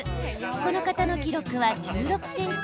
この方の記録は１６ｃｍ。